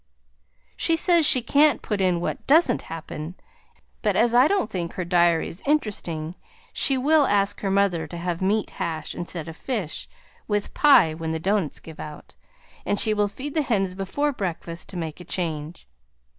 She says she can't put in what doesn't happen, but as I don't think her diary is interesting she will ask her mother to have meat hash instead of fish, with pie when the doughnuts give out, and she will feed the hens before breakfast to make a change.